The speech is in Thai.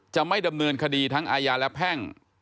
จะไม่ดำเนินคดีทั้งอาญาและแพ่ง